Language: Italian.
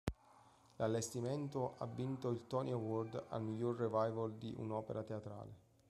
L'allestimento ha vinto il Tony Award al miglior revival di un'opera teatrale.